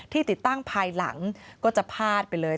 ติดตั้งภายหลังก็จะพาดไปเลย